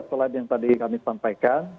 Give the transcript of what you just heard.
selain yang tadi kami sampaikan